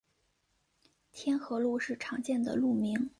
天河路是常见的路名。